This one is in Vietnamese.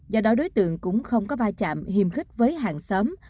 do đó đối tượng cũng không có va chạm hiềm khích với hàng xóm